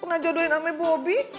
pernah jodohin namanya bobi